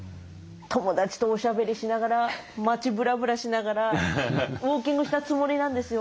友達とおしゃべりしながら街ブラブラしながらウォーキングしたつもりなんですよ。